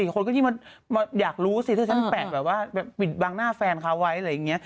คนก็ดิ้งมาอยากรู้ชั้น๘ปลัญหน้าแฟนเขาไว้